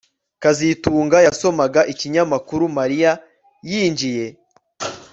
kazitunga yasomaga ikinyamakuru Mariya yinjiye